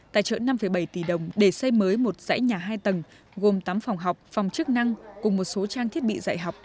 tài trợ năm bảy tỷ đồng để xây mới một dãy nhà hai tầng gồm tám phòng học phòng chức năng cùng một số trang thiết bị dạy học